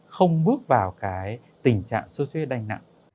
không bước vào cái tình trạng sốt huyết đanh nặng